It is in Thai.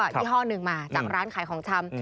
ยี่ห้อหนึ่งมาจากร้านขายของชำ